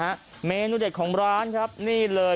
เมนูเด็ดของร้านครับนี่เลย